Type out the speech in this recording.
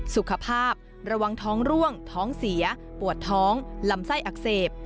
สุขภาพระวังท้องร่วงท้องเสียปวดท้องลำไส้อักเสบ